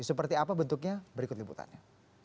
seperti apa bentuknya berikut liputannya